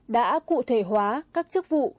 đã cụ thể hóa các chức vụ